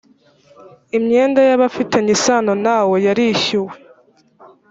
imyenda y abafitanye isano nawe yarishyuwe